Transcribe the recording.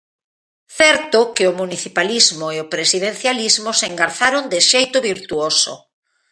Certo que o municipalismo e o presidencialismo se engarzaron de xeito virtuoso.